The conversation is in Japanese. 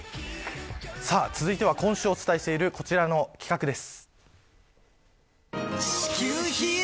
続いては今週お伝えしているこちらの企画です。